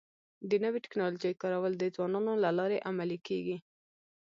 د نوې ټکنالوژۍ کارول د ځوانانو له لارې عملي کيږي.